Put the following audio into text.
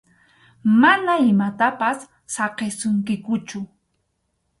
Mana imatapas saqisunkikuchu.